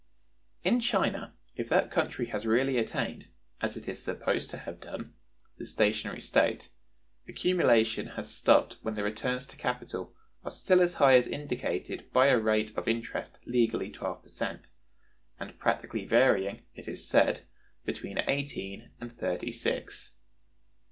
In China, if that country has really attained, as it is supposed to have done, the stationary state, accumulation has stopped when the returns to capital are still as high as is indicated by a rate of interest legally twelve per cent, and practically varying (it is said) between eighteen and thirty six.